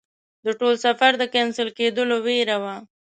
د ټول سفر د کېنسل کېدلو ویره وه.